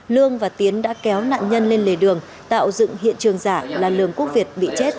lương và tiến đã kéo nạn nhân lên lề đường tạo dựng hiện trường giả là lường quốc việt bị chết